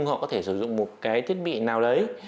họ có thể sử dụng một cái thiết bị nào đấy